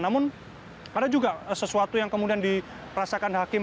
namun ada juga sesuatu yang kemudian dirasakan hakim